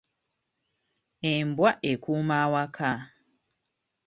Embwa ekuuma awaka.